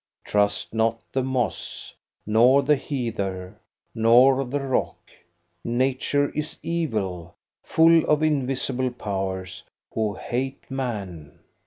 Trust not the moss, nor the heather, nor the rock. Nature is evil, full of invisible powers, who hate man.